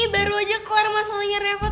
baru aja keluar masalahnya repot